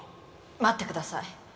「待ってください」